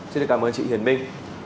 xin được cảm ơn chị hiền minh